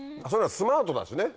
スマートだしね！